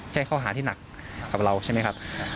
แจ้งข้อหาที่หนักกับเราใช่ไหมครับ